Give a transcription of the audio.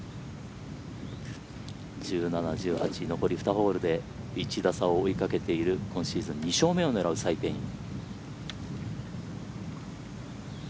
１７、１８残り２ホールで１打差を追いかけている今シーズン２勝目を狙うサイ・ペイイン。